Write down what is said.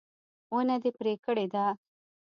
ونه دې پرې کړې ده